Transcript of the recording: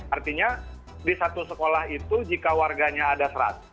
artinya di satu sekolah itu jika warganya ada seratus